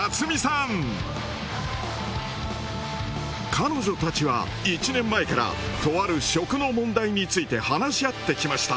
彼女たちは１年前からとある食の問題について話し合ってきました。